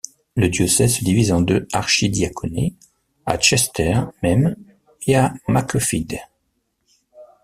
Le diocèse se divise en deux archidiaconés, à Chester même et à Macclesfield.